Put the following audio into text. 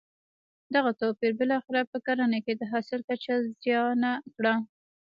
دغه توپیر بالاخره په کرنه کې د حاصل کچه زیانه کړه.